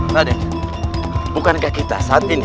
pak den bukankah kita saat ini